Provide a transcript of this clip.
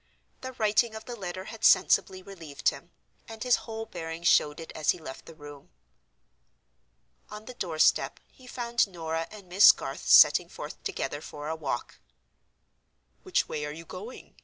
The writing of the letter had sensibly relieved him, and his whole bearing showed it as he left the room. On the doorstep he found Norah and Miss Garth, setting forth together for a walk. "Which way are you going?"